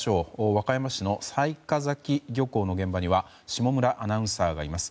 和歌山市の雑賀崎漁港の現場には下村アナウンサーがいます。